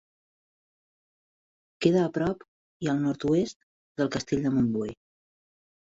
Queda a prop i al nord-oest del Castell de Montbui.